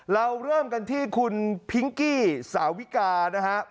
เราเริ่มกันที่คุณพิงกี้สาวิกานะฮะ